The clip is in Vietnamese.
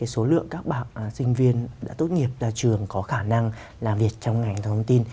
số lượng các bạn sinh viên đã tốt nghiệp ra trường có khả năng làm việc trong ngành công thông tin